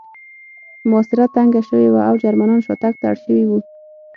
محاصره تنګه شوې وه او جرمنان شاتګ ته اړ شوي وو